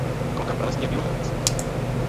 Klokan pralesní je býložravec.